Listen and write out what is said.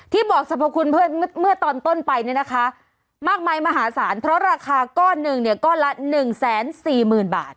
บอกสรรพคุณเพื่อนเมื่อตอนต้นไปเนี่ยนะคะมากมายมหาศาลเพราะราคาก้อนหนึ่งเนี่ยก้อนละ๑๔๐๐๐บาท